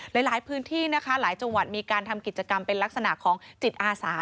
หลายพื้นที่นะคะหลายจังหวัดมีการทำกิจกรรมเป็นลักษณะของจิตอาสา